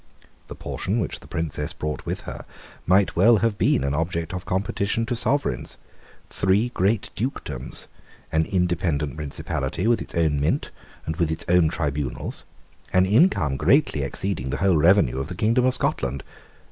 The portion which the princess brought with her might well have been an object of competition to sovereigns; three great dukedoms, an independent principality with its own mint and with its own tribunals, and an income greatly exceeding the whole revenue of the kingdom of Scotland.